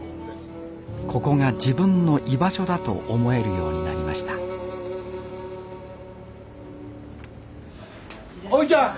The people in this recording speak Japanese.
ここが自分の居場所だと思えるようになりましたおいちゃん！